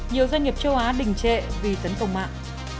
nhiều doanh nghiệp châu á đình trệ vì tấn công mạng